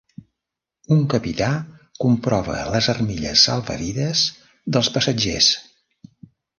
Un capità comprova les armilles salvavides dels passatgers.